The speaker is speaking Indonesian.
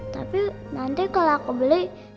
tapi nanti kalau aku beli